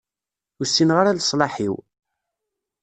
Ur ssineɣ ara leṣlaḥ-iw.